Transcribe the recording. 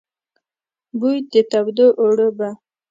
بوی د تودو اوړو به،